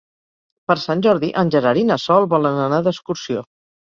Per Sant Jordi en Gerard i na Sol volen anar d'excursió.